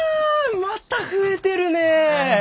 また増えてるね！